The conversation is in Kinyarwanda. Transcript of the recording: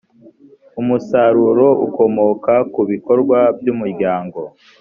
umusaruro ukomoka ku bikorwa by’umuryango